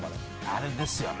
あれですよね。